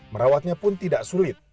merawatnya pun tidak sulit